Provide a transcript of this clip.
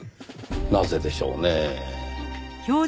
なぜでしょうねぇ。